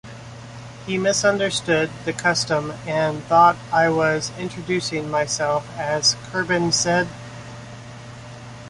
He misunderstood the custom and thought I was introducing myself as Kurban Said.